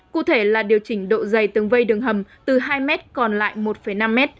cụ thể là điều chỉnh độ dày tương vây đường hầm từ hai m còn lại một năm m